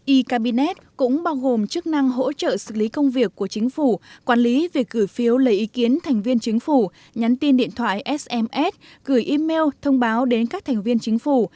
e cabinet cũng bao gồm chức năng hỗ trợ xử lý công việc của chính phủ quản lý việc gửi phiếu lời ý kiến thành viên chính phủ nhắn tin điện thoại sms gửi email thông báo đến các thành viên chính phủ